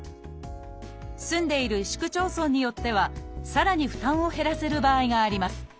住んでいる市区町村によってはさらに負担を減らせる場合があります。